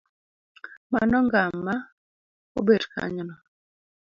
Mano ngama obet kanyono.